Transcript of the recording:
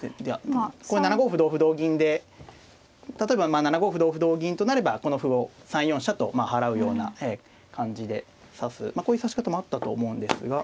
これ７五歩同歩同銀で例えば７五歩同歩同銀となればこの歩を３四飛車と払うような感じで指すまあこういう指し方もあったと思うんですが。